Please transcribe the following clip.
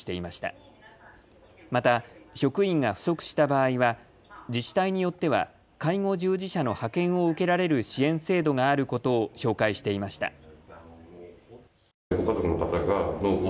また職員が不足した場合は自治体によっては介護従事者の派遣を受けられる支援制度があることを紹介していました。